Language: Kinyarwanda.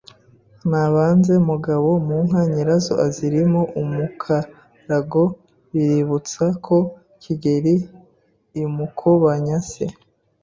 Nabanze mugabo mu nka nyirazo azirimo umukarago biributsa ko Kigeli I Mukobanya se